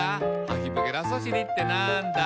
「ハヒブゲラソシリってなんだ？」